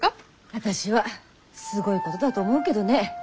私はすごいことだと思うけどね。